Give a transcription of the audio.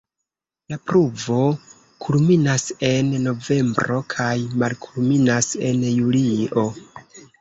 La pluvo kulminas en novembro kaj malkulminas en julio.